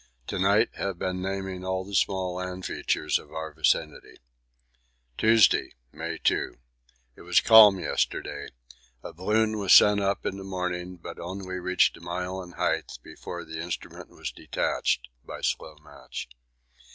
To night have been naming all the small land features of our vicinity. Tuesday, May 2. It was calm yesterday. A balloon was sent up in the morning, but only reached a mile in height before the instrument was detached (by slow match).